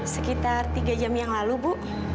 sekitar tiga jam yang lalu bu